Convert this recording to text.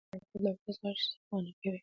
سیاسي مشارکت د ولس غږ ځواکمن کوي